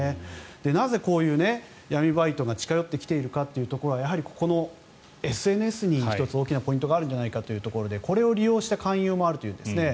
なぜ、こういう闇バイトが近寄ってきているかというところはやはりここのＳＮＳに１つ大きなポイントがあるんじゃないかというところでこれを利用して勧誘もあるというんですね。